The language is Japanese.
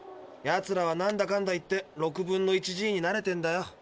やつらはなんだかんだ言って６分の１Ｇに慣れてんだよ。